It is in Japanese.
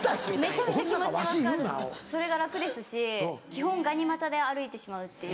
それが楽ですし基本ガニ股で歩いてしまうっていう。